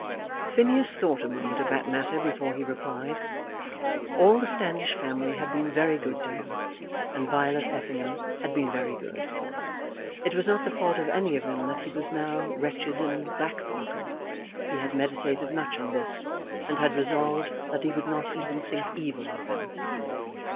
Phineas thought a moment of that matter before he replied. All the Standish family had been very good to him, and Violet Effingham had been very good. It was not the fault of any of them that he was now wretched and back broken. He had meditated much on this, and had resolved that he would not even think evil of them.